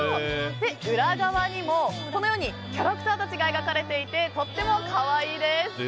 裏側にもキャラクターたちが描かれていてとても可愛いです。